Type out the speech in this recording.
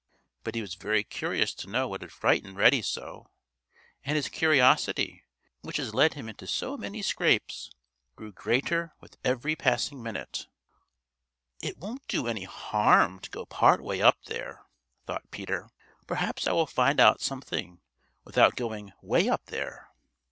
But he was very curious to know what had frightened Reddy so, and his curiosity, which has led him into so many scrapes, grew greater with every passing minute. "It won't do any harm to go part way up there," thought Peter. "Perhaps I will find out something without going way up there."